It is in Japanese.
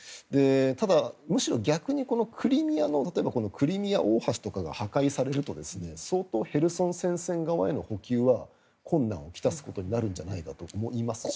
ただ、むしろ逆にクリミアのクリミア大橋とかが破壊されると相当、ヘルソン戦線側への補給は困難を来すことになるんじゃないかと思いますし。